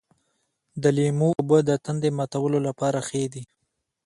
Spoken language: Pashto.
د لیمو اوبه د تندې ماتولو لپاره ښې دي.